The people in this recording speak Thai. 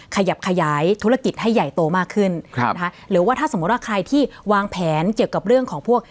ขยับขยายธุรกิจให้ใหญ่โตมากขึ้นครับนะคะหรือว่าถ้าสมมุติว่าใครที่วางแผนเกี่ยวกับเรื่องของพวก